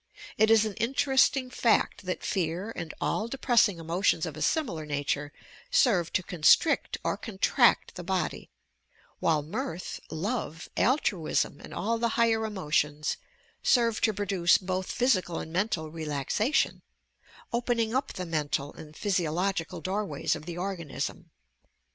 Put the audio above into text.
It is an interesting fact that fear and all depressing emotions of a simitar nature serve to constrict or contract the body — while mirth, love, altruism, and all the higher emotions serve to produce both physical and mental relaxation — opening up the mental and physiological doorways of the organism.